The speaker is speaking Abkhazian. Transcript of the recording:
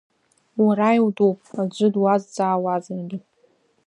Уара иутәуп, аӡәы дуазҵаауазаргьы…